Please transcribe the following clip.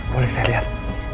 boleh saya lihat